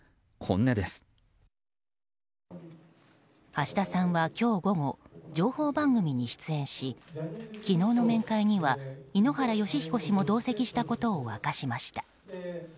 橋田さんは今日午後、情報番組に出演し昨日の面会には井ノ原快彦氏も同席したことを明かしました。